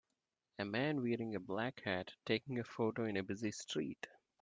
A man wearing a black hat taking a photo in a busy street.